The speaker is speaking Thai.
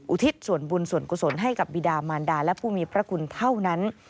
ทิศส่วนบุญส่วนกุศลให้กับบิดามารดาและผู้มีพระคุณเท่านั้น